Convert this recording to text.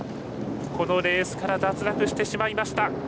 このレースから脱落してしまいました。